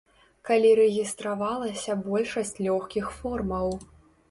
Калі рэгістравалася большасць лёгкіх формаў.